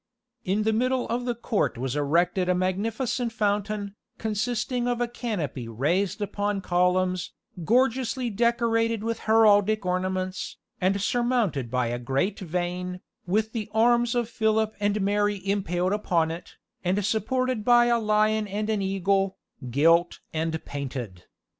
In the middle of the court was erected a magnificent fountain, consisting of a canopy raised upon columns, gorgeously decorated with heraldic ornaments, and surmounted by a great vane, with the arms of Philip and Mary impaled upon it, and supported by a lion and an eagle, gilt and painted.